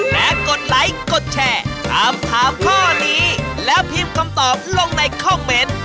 และกดไลค์กดแชร์ถามถามข้อนี้แล้วพิมพ์คำตอบลงในคอมเมนต์